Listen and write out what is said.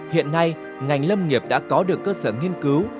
hiện nay ngành lâm nghiệp đã có được cơ sở nghiên cứu